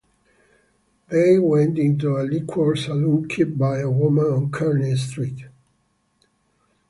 They went into a liquor saloon kept by a woman on Kearny Street.